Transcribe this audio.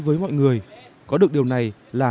với mọi người có được điều này là